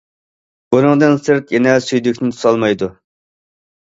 بۇنىڭدىن سىرت يەنە سۈيدۈكنى تۇتالمايدۇ.